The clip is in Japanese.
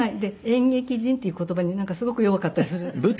演劇人っていう言葉にすごく弱かったりするんですね。